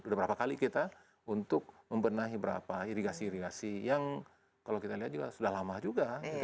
sudah berapa kali kita untuk membenahi berapa irigasi irigasi yang kalau kita lihat juga sudah lama juga